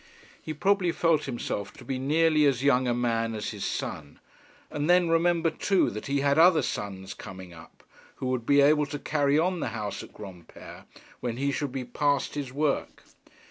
He probably felt himself to be nearly as young a man as his son; and then remember too that he had other sons coming up, who would be able to carry on the house at Granpere when he should be past his work.